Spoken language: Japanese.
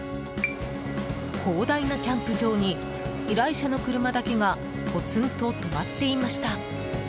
広大なキャンプ場に依頼者の車だけがポツンと止まっていました。